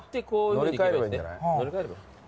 乗り換えればいいんじゃない？